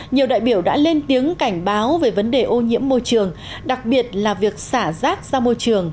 nhiều đại biểu đã lên tiếng cảnh báo về vấn đề ô nhiễm môi trường đặc biệt là việc xả rác ra môi trường